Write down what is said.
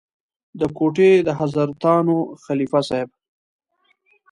د کوټې د حضرتانو خلیفه صاحب.